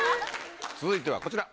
続いてはこちら。